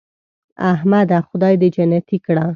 احمده خدای دې جنتې کړه .